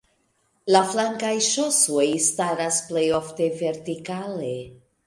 La flankaj ŝosoj staras plej ofte vertikale.